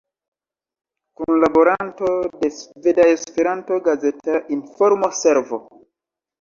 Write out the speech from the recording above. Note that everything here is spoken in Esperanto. Kunlaboranto de Sveda-Esperanto Gazetara Informo-Servo.